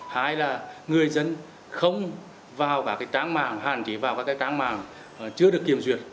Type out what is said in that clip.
hai là người dân không vào cả cái trang mạng hạn chế vào các cái trang mạng chưa được kiểm duyệt